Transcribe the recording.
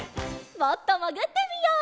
もっともぐってみよう。